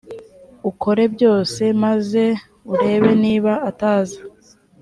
ukore byose maze urebe niba ataza